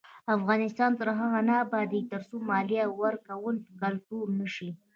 افغانستان تر هغو نه ابادیږي، ترڅو مالیه ورکول کلتور نشي.